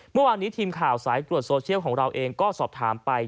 เมื่อวานนี้ทีมข่าวสายตรวจโซเชียลของเราเองก็สอบถามไป